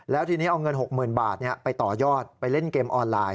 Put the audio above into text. แล้วทีนี้เอาเงิน๖๐๐๐บาทไปต่อยอดไปเล่นเกมออนไลน์